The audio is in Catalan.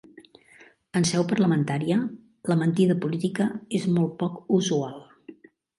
En seu parlamentària, la mentida política és molt poc usual.